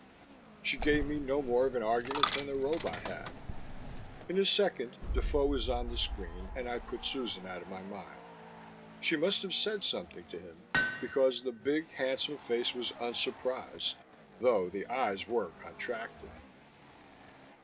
She gave me no more of an argument than the robot had. In a second, Defoe was on the screen, and I put Susan out of my mind. She must have said something to him, because the big, handsome face was unsurprised, though the eyes were contracted.